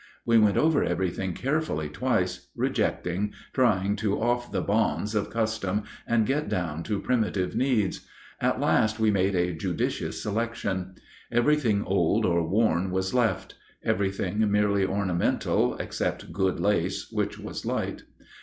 We went over everything carefully twice, rejecting, trying to off the bonds of custom and get down to primitive needs. At last we made a judicious selection. Everything old or worn was left; everything merely ornamental, except good lace, which was light.